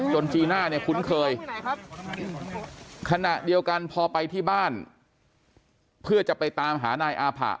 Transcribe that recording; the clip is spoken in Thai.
จีน่าเนี่ยคุ้นเคยครับขณะเดียวกันพอไปที่บ้านเพื่อจะไปตามหานายอาผะ